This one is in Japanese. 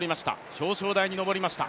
表彰台に上りました。